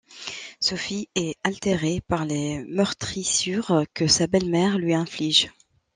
Sophie est altérée par les meurtrissures que sa belle-mère lui inflige.